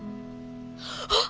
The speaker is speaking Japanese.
あっ！